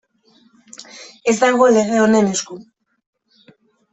Ez dago lege honen esku.